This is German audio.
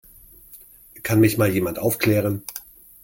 Kann mich mal jemand aufklären?